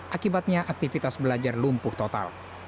akibatnya aktivitas belajar lumpuh total